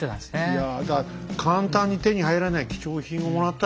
いやだから簡単に手に入らない貴重品をもらったらね